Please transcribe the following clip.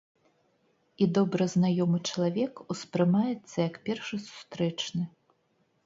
І добра знаёмы чалавек ўспрымаецца як першы сустрэчны.